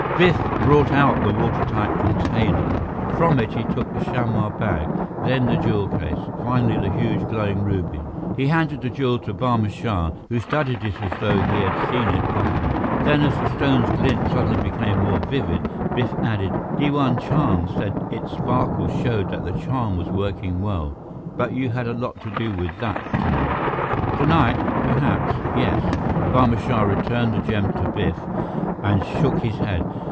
Biff brought out the watertight container. From it, he took the chamois bag, then the jewel case, finally, the huge, glowing ruby. He handed the jewel to Barma Shah, who studied it as though he had seen it often. Then, as the stone's glint suddenly became more vivid, Biff added, "Diwan Chand said its sparkle showed that the charm was working well. But you had a lot to do with that tonight." "Tonight, perhaps, yes." Barma Shah returned the gem to Biff and shook his head.